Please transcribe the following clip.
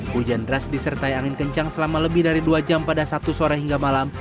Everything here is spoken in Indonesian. hujan deras disertai angin kencang selama lebih dari dua jam pada satu sore hingga malam